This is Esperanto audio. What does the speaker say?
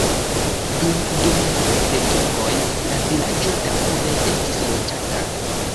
Dum dominado de turkoj la vilaĝo daŭre estis loĝata.